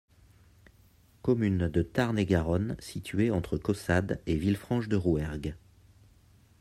Commune de Tarn-et-Garonne située entre Caussade et Villefranche-de-Rouergue.